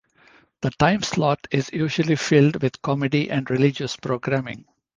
The time slot is usually filled with comedy and religious programming.